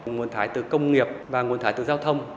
nguồn thải từ công nghiệp và nguồn thải từ giao thông